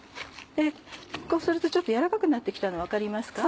こうするとちょっと柔らかくなって来たの分かりますか。